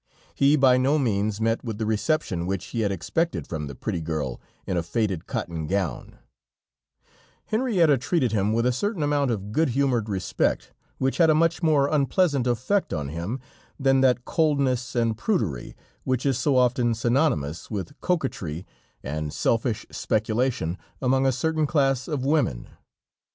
He by no means met with the reception which he had expected from the pretty girl in a faded cotton gown; Henrietta treated him with a certain amount of good humored respect, which had a much more unpleasant effect on him than that coldness and prudery, which is so often synonymous with coquetry and selfish speculation, among a certain class of women.